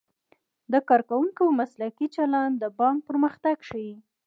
د کارکوونکو مسلکي چلند د بانک پرمختګ ښيي.